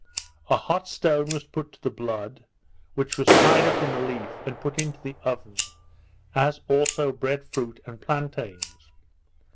A hot stone was put to the blood, which was tied up in the leaf, and put into the oven; as also bread fruit and plantains.